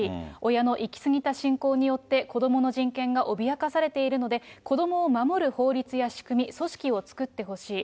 親の行き過ぎた信仰によって子どもの人権が脅かされているので、子どもを守る法律や仕組み、組織を作ってほしい。